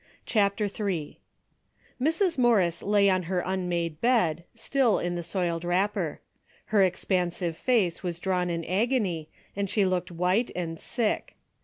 CHAPTEE III. Mrs. Morris lay on her unmade bed, still in the soiled wrapper. Her expansive face was drawn in agony and she looked white and sick.